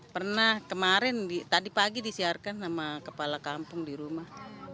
pernah kemarin tadi pagi disiarkan sama kepala kampung di rumah